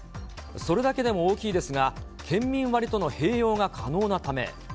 それだけでも大きいですが、県民割との併用が可能なため。